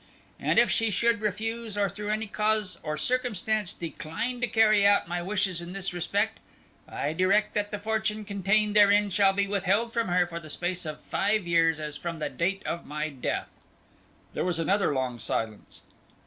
And if she should refuse or through any cause or circumstance decline to carry out my wishes in this respect, I direct that the fortune contained therein shall be withheld from her for the space of five years as from the date of my death.'" There was another long silence.